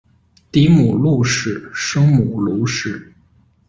嫡母路氏；生母卢氏。